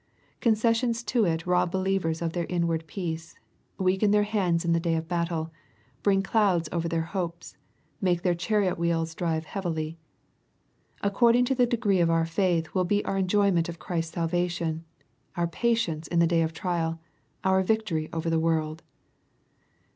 Concessions to it rob believers of their inward peace, — weaken their hands in the day of battle, — bring clouds over their hopes^ — make their chariot wheels drive heavily. According to the degree of our faith will be our enjoyment of Christ's salvation, — our patience in the day of trial, — our victory over the world.